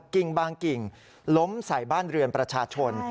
กิ่งบางกิ่งล้มใส่บ้านเรือนประชาชน